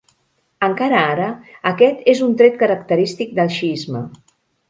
Encara ara, aquest és un tret característic del xiisme.